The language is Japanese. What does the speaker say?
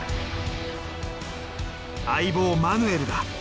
相棒マヌエルだ。